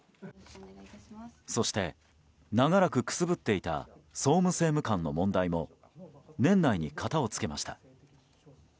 そして、長らくくすぶっていた総務政務官の問題も年内に片を付けました。